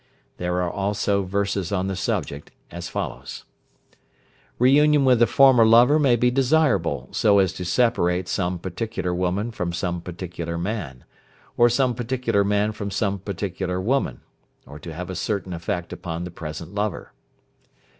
There are also verses on the subject as follows: "Re union with a former lover may be desirable so as to separate some particular woman from some particular man, or some particular man from some particular woman, or to have a certain effect upon the present lover."